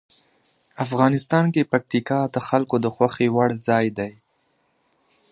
افغانستان کې پکتیکا د خلکو د خوښې وړ ځای دی.